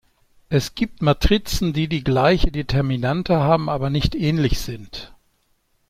Es gibt Matrizen, die die gleiche Determinante haben, aber nicht ähnlich sind.